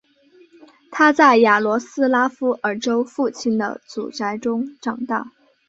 他在雅罗斯拉夫尔州父亲的祖宅中长大。